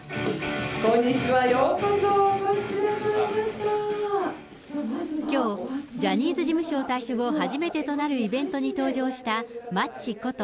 こんにちは、きょう、ジャニーズ事務所を退所後、初めてとなるイベントに登場したマッチこと